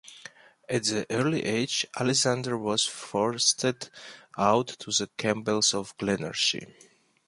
At an early age, Alexander was fostered out to the Campbells of Glenorchy.